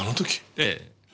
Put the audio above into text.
ええ。